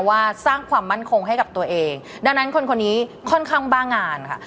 ว่าสร้างความมั่นคงให้กับตัวเองดังนั้นคนคนนี้ค่อนข้างบ้างานค่ะ